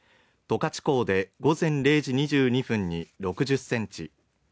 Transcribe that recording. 十勝港で午前零時２２分に６０センチ。